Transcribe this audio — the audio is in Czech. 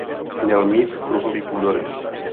Měl mít kruhový půdorys.